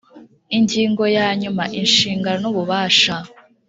Ingingo ya nyuma Inshingano n ububasha